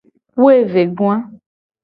Woevegoa.